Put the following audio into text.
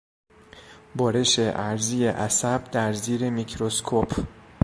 برش عرضی عصب در زیر میکروسکوپ